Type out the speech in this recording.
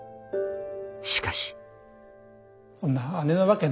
しかし。